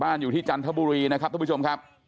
อยู่ที่จันทบุรีนะครับทุกผู้ชมครับ